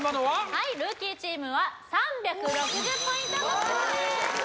はいルーキーチームは３６０ポイント獲得です